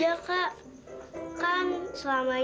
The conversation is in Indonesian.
nanti kita bisa berhenti